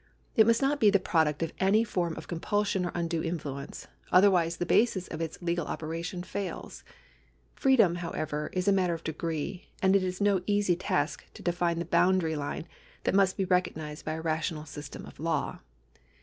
It must not be the product of any form of compulsion or undue influence ; otherwise the basis of its legal operation fails. Freedom, however, is a mutter of degree, and it is no easy task to define the boundary line that must be recognised by a rational system of law.